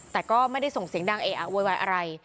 แต่ก็ไม่ได้ส่งเสียงดังเออะโวยวายอะไร